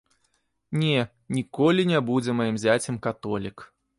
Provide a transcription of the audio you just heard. Не, ніколі не будзе маім зяцем католік.